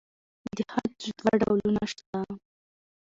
د خج دوه ډولونه شته.